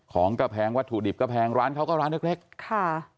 ของก็แพงวัตถุดิบก็แพงร้านเขาก็ร้านเล็กเล็กค่ะ